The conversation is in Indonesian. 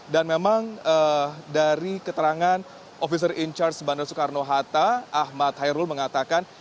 dan memang dari keterangan ofiser in charge bandara soekarno hatta ahmad hairul mengatakan